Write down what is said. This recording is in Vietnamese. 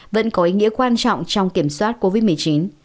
vẫn có ý nghĩa quan trọng trong kiểm soát covid một mươi chín